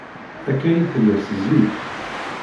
Akka ay tella seg zik.